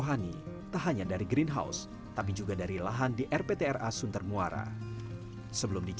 kalian mereka sendiri tidak bisa mohon beruntung atau bidukan bahkan terus berhenti untuk membabah frank